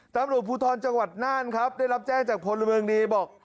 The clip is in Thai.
ตำรวจภูทรจังหวัดน่านครับได้รับแจ้งจากพลเมืองดีบอก